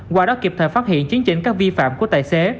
qua đó kịp thời phát hiện chứng chỉnh các vi phạm của tài xế